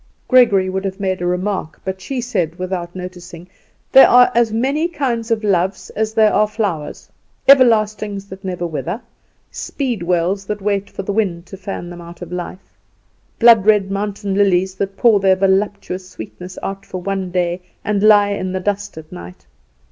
Gregory would have made a remark; but she said, without noticing: "There are as many kinds of loves as there are flowers; everlastings that never wither; speedwells that wait for the wind to fan them out of life; blood red mountain lilies that pour their voluptuous sweetness out for one day, and lie in the dust at night.